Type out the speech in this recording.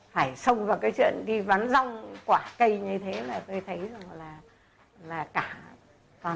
phải xông vào cái chuyện đi vắn rong quả cây như thế là tôi thấy là cả toàn dân